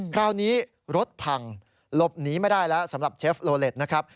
คราวนี้รถพังหลบหนีไม่ได้แล้วสำหรับเชฟโลเล็ตนะครับ